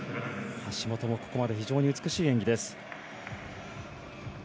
橋本もここまで非常に美しい演技です。